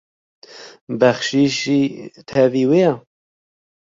Bexşîş jî tevî wê ye?